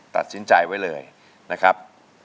ตัดสินใจไว้เลยนะครับ